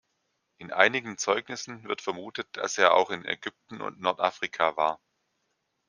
In einigen Zeugnissen wird vermutet, dass er auch in Ägypten und Nordafrika war.